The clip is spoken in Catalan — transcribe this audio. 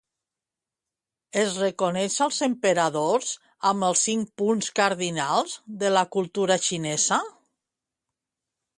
Es reconeix als emperadors amb els cinc punts cardinals de la cultura xinesa?